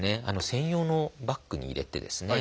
専用のバッグに入れてですね